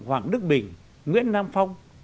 hoàng đức bình nguyễn nam phong